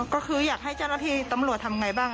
อ๋อก็คืออยากให้จรภีตำรวจทำอย่างไรบ้าง